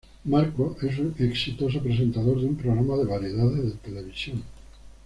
Marcos es un exitoso presentador de un programa de variedades de televisión.